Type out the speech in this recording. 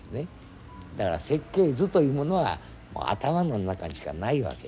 だから設計図というものは頭の中にしかないわけ。